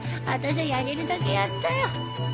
あたしゃやれるだけやったよ